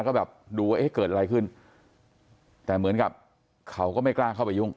ก็แบบดูว่าเอ๊ะเกิดอะไรขึ้นแต่เหมือนกับเขาก็ไม่กล้าเข้าไปยุ่ง